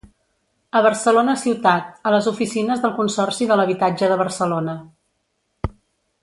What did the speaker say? A Barcelona ciutat, a les oficines del Consorci de l'Habitatge de Barcelona.